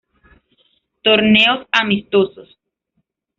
Torneos amistosos